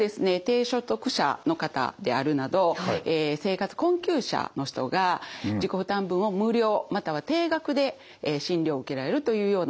低所得者の方であるなど生活困窮者の人が自己負担分を無料または低額で診療を受けられるというようなものの制度です。